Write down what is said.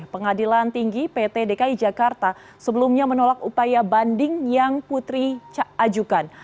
pengadilan tinggi pt dki jakarta sebelumnya menolak upaya banding yang putri ajukan